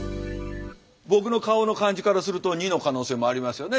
僕の顔の感じからすると②の可能性もありますよね。